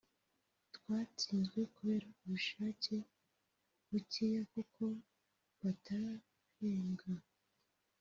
twatsinzwe kubera ubushake bukeya kuko batarahembwa"